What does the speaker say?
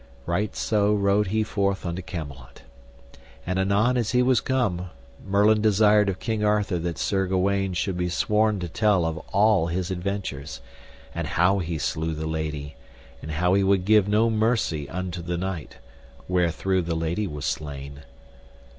Right so rode he forth unto Camelot. And anon as he was come, Merlin desired of King Arthur that Sir Gawaine should be sworn to tell of all his adventures, and how he slew the lady, and how he would give no mercy unto the knight, wherethrough the lady was slain.